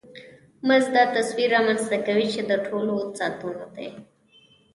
مزد دا تصور رامنځته کوي چې د ټولو ساعتونو دی